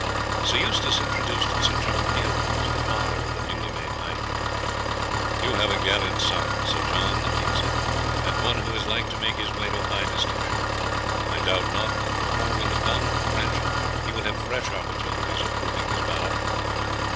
Sir Eustace introduced Sir John Aylmer as the father of the newly made knight. "You have a gallant son, Sir John," the king said, "and one who is like to make his way to high distinction. I doubt not that before we have done with the French he will have fresh opportunities of proving his valour."